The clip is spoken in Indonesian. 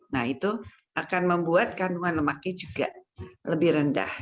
nah itu akan membuat kandungan lemaknya juga lebih rendah